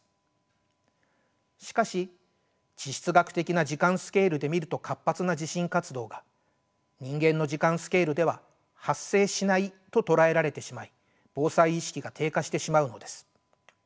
しかし地質学的な時間スケールで見ると活発な地震活動が人間の時間スケールでは「発生しない」と捉えられてしまい防災意識が低下してしまうのです。